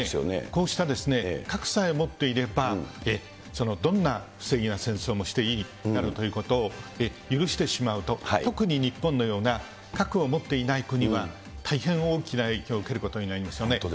こうした核さえ持っていれば、どんなな戦争もしていいということになるということを許してしまうと、特に日本のような核を持っていない国は、大変大きな影響を受けることになりますよね。